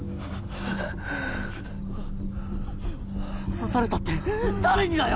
刺されたって誰にだよ